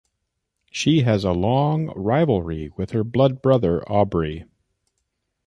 She has a long rivalry with her blood-brother, Aubrey.